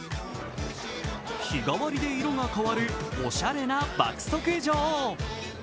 日替わりで色が変わるおしゃれな爆速女王。